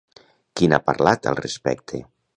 Qui n'ha parlat al respecte?